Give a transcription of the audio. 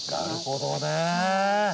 なるほどね！